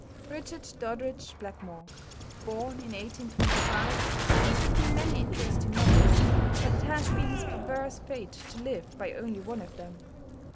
=Richard Doddridge Blackmore (1825 )= has written many interesting novels, but it has been his perverse fate to live by only one of them.